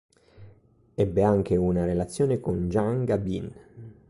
Ebbe anche una relazione con Jean Gabin